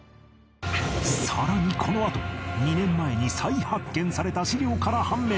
さらにこのあと２年前に再発見された史料から判明！